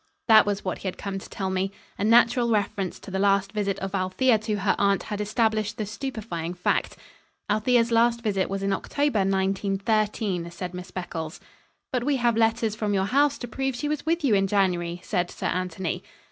That was what he had come to tell me. A natural reference to the last visit of Althea to her aunt had established the stupefying fact. "Althea's last visit was in October, 1913," said Miss Beccles. "But we have letters from your house to prove she was with you in January," said Sir Anthony.